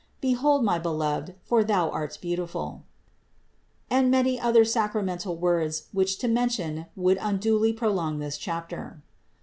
Behold, my beloved, for thou art beautiful"; and many other sacramental words which to mention would unduly prolong this chapter.